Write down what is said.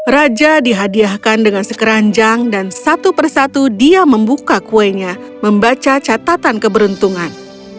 raja dihadiahkan dengan sekeranjang dan satu persatu dia membuka kuenya membaca catatan keberuntungan